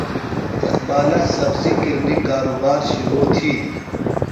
اقبالہ سبزیۡ کرنئینی کارُبار شِرو تِھیلیۡ۔